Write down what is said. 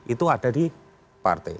itu ada di partai